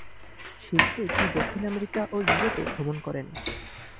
শীঘ্রই তিনি দক্ষিণ আমেরিকা ও ইউরোপে ভ্রমণ করেন।